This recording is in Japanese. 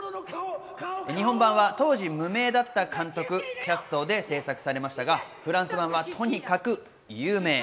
日本版は当時無名だった監督、キャストで制作されましたが、フランス版はとにかく有名。